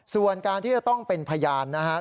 ส่วนการที่จะต้องเป็นพยานนะครับ